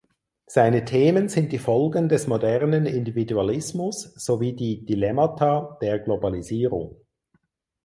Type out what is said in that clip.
Seine Themen sind die Folgen des modernen Individualismus sowie die Dilemmata der Globalisierung.